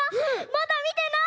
まだみてない！